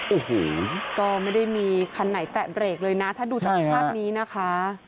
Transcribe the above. โอ้โหก็ไม่ได้มีคันไหนแตะเบรกเลยนะถ้าดูจากภาพนี้นะคะ